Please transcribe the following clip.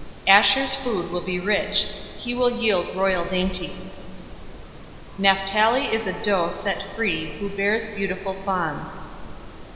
049:020 "Asher's food will be rich. He will yield royal dainties. 049:021 "Naphtali is a doe set free, who bears beautiful fawns.